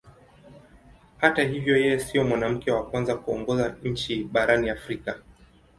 Hata hivyo yeye sio mwanamke wa kwanza kuongoza nchi barani Afrika.